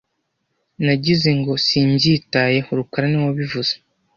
Nagize ngo simbyitayeho rukara niwe wabivuze